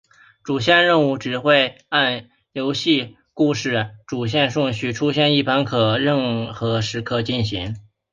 主线任务只会按游戏主故事线顺序出现一般可在任何时刻进行。